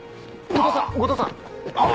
後藤さん後藤さん！